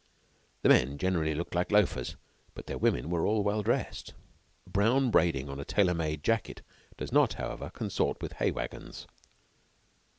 The men generally looked like loafers, but their women were all well dressed. Brown braiding on a tailor made jacket does not, however, consort with hay wagons.